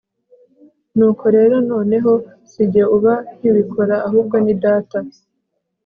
nuko rero noneho si jye uba nkibikora ahubwo ni data